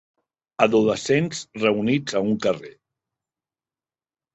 Adolescents reunits a un carrer.